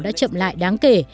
đã chậm lại đáng kể